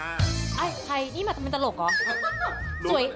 ไอ้ใครนี่มาทำเป็นตลกเหรอ